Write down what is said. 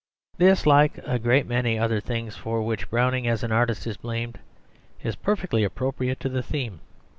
This, like a great many other things for which Browning as an artist is blamed, is perfectly appropriate to the theme.